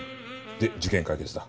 で事件解決だ。